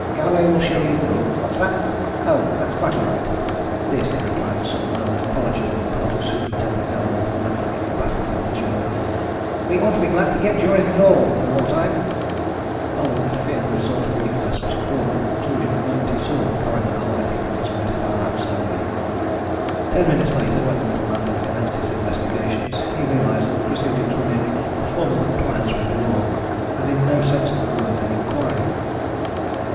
Galloway will show you the room. What's that? Oh, that's quite all right" this in reply to some murmured apology on the part of Superintendent Galloway for the mental incapacity of the jury "we ought to be glad to get juries at all in war time." Colwyn had feared that the result of the inquest was a foregone conclusion the moment he saw the coroner alighting from his motor car outside the inn. Ten minutes later, when the little man had commenced his investigations, he realised that the proceedings were merely a formal compliance with the law, and in no sense of the word an inquiry.